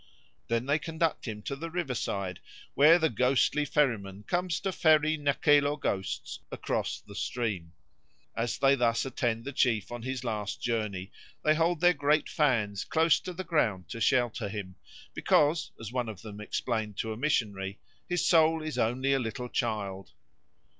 Then they conduct him to the river side, where the ghostly ferryman comes to ferry Nakelo ghosts across the stream. As they thus attend the chief on his last journey, they hold their great fans close to the ground to shelter him, because, as one of them explained to a missionary, "His soul is only a little child."